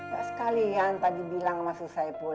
gak sekalian tadi bilang sama su saiful